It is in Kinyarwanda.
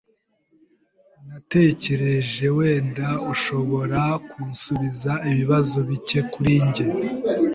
Natekereje wenda ushobora kunsubiza ibibazo bike kuri njye.